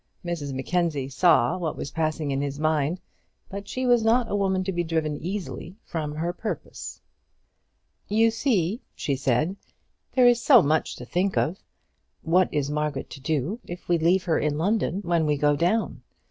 Mrs Mackenzie saw what was passing in his mind; but she was not a woman to be driven easily from her purpose. "You see," she said, "there is so much to think of. What is Margaret to do, if we leave her in London when we go down?